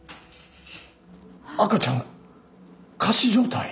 赤ちゃん仮死状態？